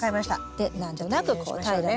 で何となくこう平らにします。